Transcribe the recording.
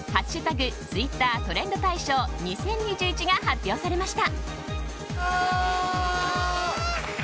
「＃Ｔｗｉｔｔｅｒトレンド大賞２０２１」が発表されました。